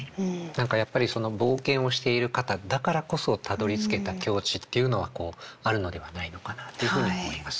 何かやっぱりその冒険をしている方だからこそたどりつけた境地っていうのはあるのではないのかなっていうふうに思いますね。